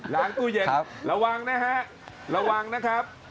ตู้เย็นระวังนะฮะระวังนะครับ